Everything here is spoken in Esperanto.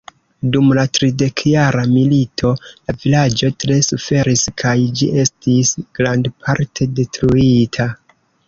Dum la tridekjara milito la vilaĝo tre suferis kaj ĝi estis grandparte detruita.